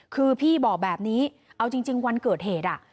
คือพี่บอกแบบนี้เอาจริงวันเกิดเหตุ